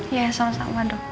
iya sama sama dok